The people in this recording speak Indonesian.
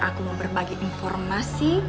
aku mau berbagi informasi